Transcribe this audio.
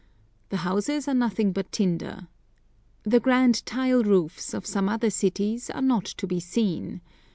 The houses are nothing but tinder. The grand tile roofs of some other cities are not to be seen.